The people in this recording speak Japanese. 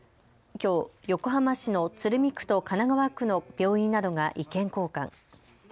きょう横浜市の鶴見区と神奈川区の病院などが意見交換。